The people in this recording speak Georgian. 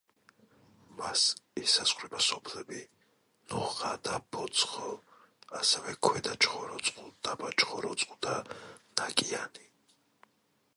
მას ესაზღვრება სოფლები: ნოღა და ფოცხო, ასევე ქვედა ჩხოროწყუ, დაბა ჩხოროწყუ და ნაკიანი.